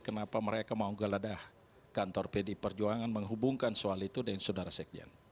kenapa mereka mau geladah kantor pdi perjuangan menghubungkan soal itu dengan saudara sekjen